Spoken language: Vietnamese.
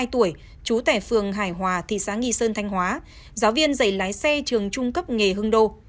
bốn mươi hai tuổi chú tẻ phường hải hòa thị xã nghi sơn thanh hóa giáo viên giấy lái xe trường trung cấp nghề hưng đô